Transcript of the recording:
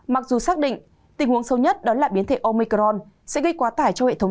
mặc dù xác định tình huống sâu nhất đó là biến thể omicron sẽ gây quá tải cho hệ thống